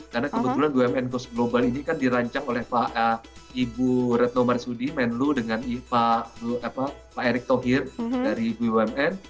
karena kebetulan bumn ghost global ini kan dirancang oleh ibu retno marsudi menlu dengan pak erik thohir dari bumn